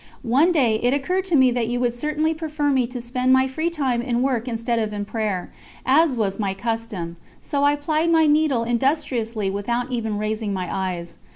One day it occurred to me that you would certainly prefer me to spend my free time in work instead of in prayer, as was my custom; so I plied my needle industriously without even raising my eyes.